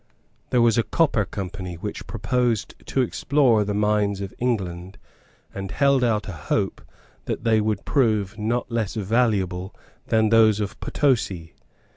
There was a Copper Company which proposed to explore the mines of England, and held out a hope that they would prove not less valuable than those of Potosi.